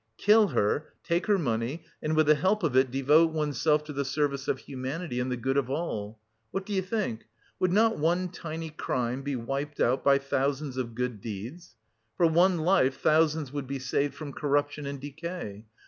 Kill her, take her money and with the help of it devote oneself to the service of humanity and the good of all. What do you think, would not one tiny crime be wiped out by thousands of good deeds? For one life thousands would be saved from corruption and decay.